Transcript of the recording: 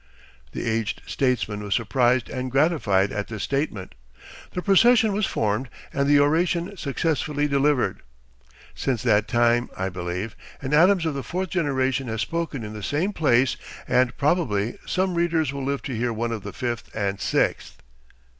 The aged statesman was surprised and gratified at this statement. The procession was formed and the oration successfully delivered. Since that time, I believe, an Adams of the fourth generation has spoken in the same place, and probably some readers will live to hear one of the fifth and sixth.